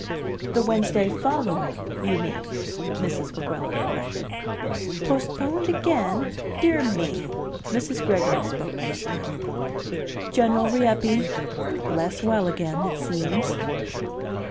"The Wednesday following, you mean," Mrs. Weguelin corrected. "Postponed again? Dear me!" Mrs. Gregory spoke this time. "General Rieppe. Less well again, it seems."